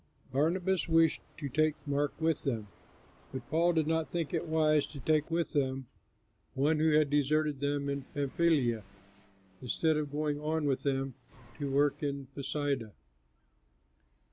Barnabas wished to take Mark with them, but Paul did not think it wise to take with them one who had deserted them in Pamphylia instead of going on with them to work in Pisidia.